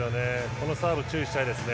サーブ注意したいですね。